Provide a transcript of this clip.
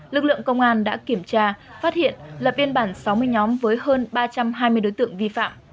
lực lượng công an đã kiểm tra phát hiện lập biên bản sáu mươi nhóm với hơn ba trăm hai mươi đối tượng vi phạm